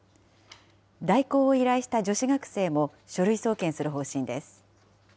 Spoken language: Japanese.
代行を依頼した女子学生も書類送検する方針です。